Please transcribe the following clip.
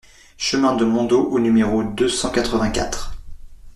Chemin de Mondot au numéro deux cent quatre-vingt-quatre